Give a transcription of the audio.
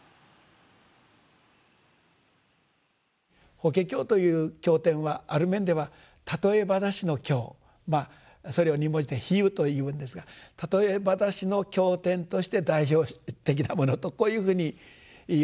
「法華経」という経典はある面では譬え話の経それを２文字で「比喩」というんですが譬え話の経典として代表的なものとこういうふうにいわれるわけで。